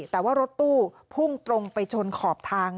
แต่ว่ารถตู้พุ่งตรงไปชนขอบทาง